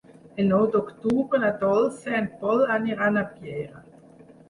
El nou d'octubre na Dolça i en Pol aniran a Piera.